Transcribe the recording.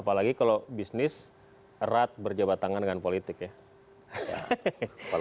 apalagi kalau bisnis erat berjabat tangan dengan politik ya